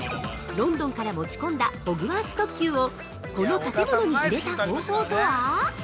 ◆ロンドンから持ち込んだホグワーツ特急をこの建物に入れた方法とは？